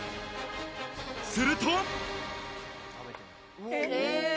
すると。